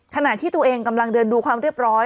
ขณะที่ตัวเองกำลังเดินดูความเรียบร้อย